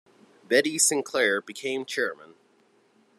Betty Sinclair became chairman.